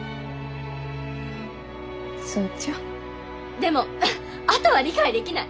でもあとは理解できない！